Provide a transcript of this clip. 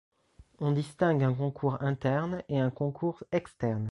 On distingue un concours interne et un concours externe.